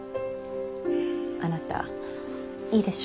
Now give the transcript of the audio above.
あなたいいでしょ？